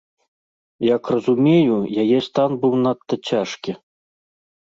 Як разумею, яе стан быў надта цяжкі.